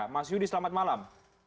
mas yudi selamat malam